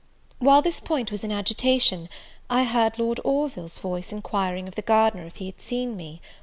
While this point was in agitation, I heard Lord Orville's voice inquiring of the gardener if he had seen me?